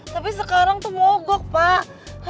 tapi sekarang tuh mogok pak